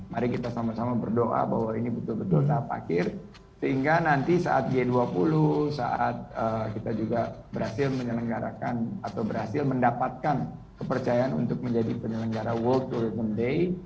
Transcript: mari kita sama sama berdoa bahwa ini betul betul tahap akhir sehingga nanti saat g dua puluh saat kita juga berhasil menyelenggarakan atau berhasil mendapatkan kepercayaan untuk menjadi penyelenggara world tourism day